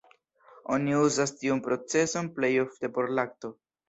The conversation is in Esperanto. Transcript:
Oni uzas tiun procezon plej ofte por lakto.